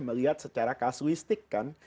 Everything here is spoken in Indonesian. melihat secara kasuistik kan